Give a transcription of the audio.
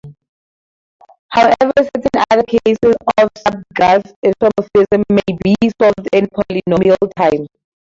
However certain other cases of subgraph isomorphism may be solved in polynomial time.